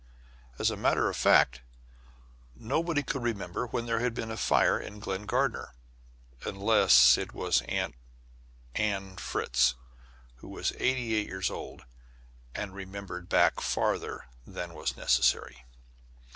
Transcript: As a matter of fact, nobody could remember when there had been a fire in Glen Gardner, unless it was Aunt Ann Fritts, who was eighty eight years old, and remembered back farther than was necessary.